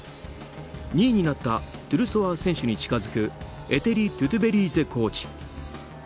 ２位になったトゥルソワ選手に近づくエテリ・トゥトベリーゼコーチ。